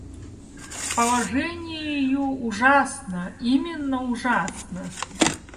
Положение ее ужасно, именно ужасно.